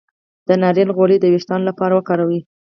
د ناریل غوړي د ویښتو لپاره وکاروئ